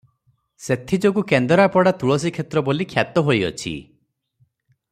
ସେଥିଯୋଗୁଁ କେନ୍ଦରାପଡ଼ା ତୁଳସୀକ୍ଷେତ୍ର ବୋଲି ଖ୍ୟାତ ହୋଇଅଛି ।